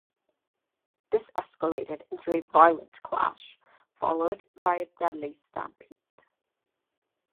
This escalated into a violent clash, followed by a deadly stampede.